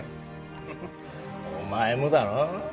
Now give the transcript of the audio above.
フフお前もだろ？